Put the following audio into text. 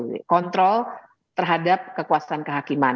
jadi kita harus mengontrol terhadap kekuasaan kehakiman